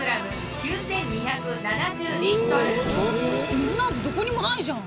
水なんてどこにもないじゃん？